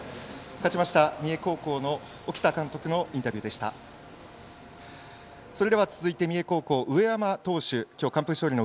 勝ちました三重高校の沖田監督のインタビューでした。